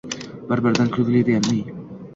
Bir biridan kulguli va ilmiy